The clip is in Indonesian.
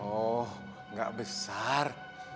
oh enggak besar